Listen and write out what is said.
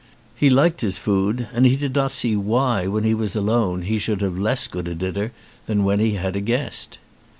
He liked his food and he did not see why when he was alone he should have less good a dinner than when he had a guest.